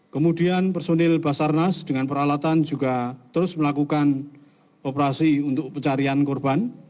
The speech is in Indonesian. kemudian personil basarnas dengan peralatan juga terus melakukan operasi untuk pencarian korban